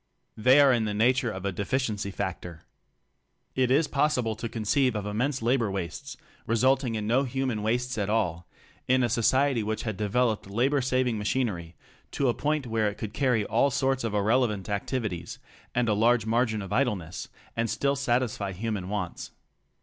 They are in the na ture of a deficiency factor. It is possible to conceive of immense labor wastes, resulting in no human wastes at all in a society which had developed labor saving machinery to a point where it could carry all sorts of irrelevant activities, and a large margin of idleness, and still satisfy human wants.